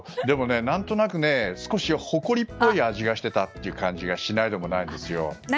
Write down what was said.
でも、何となく少しほこりっぽい味がしていたという感じがしないでもないんですよ。